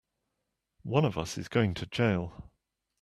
One of us is going to jail!